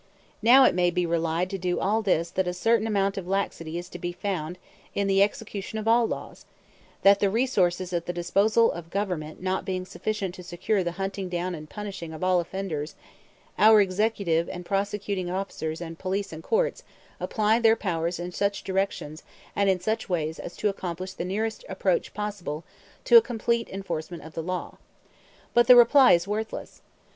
Now it may be replied to all this that a certain amount of laxity is to be found in the execution of all laws; that the resources at the disposal of government not being sufficient to secure the hunting down and punishment of all offenders, our executive and prosecuting officers and police and courts apply their powers in such directions and in such ways as to accomplish the nearest approach possible to a complete enforcement of the law. But the reply is worthless.